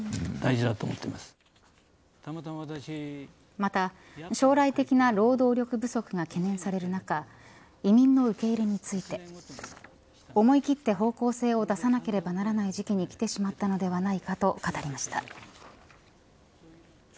また、将来的な労働力不足が懸念される中移民の受け入れについて思い切って方向性を出さなければならない時期にきてしまったのではないかと語りました。